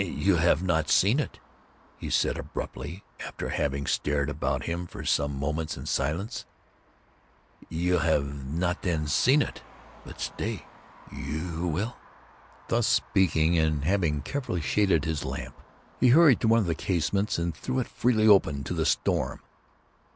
"And you have not seen it?" he said abruptly, after having stared about him for some moments in silence—"you have not then seen it?—but, stay! you shall." Thus speaking, and having carefully shaded his lamp, he hurried to one of the casements, and threw it freely open to the storm.